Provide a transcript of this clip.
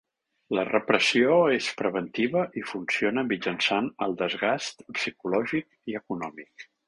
La repressió és preventiva i funciona mitjançant el desgast psicològic i econòmic.